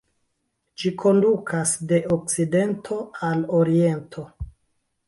Ĝi kondukas de okcidento al oriento.